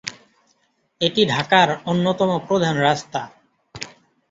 এটি ঢাকার অন্যতম প্রধান রাস্তা।